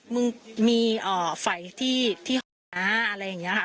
ดูหน่อยประมาณเนี้ยค่ะ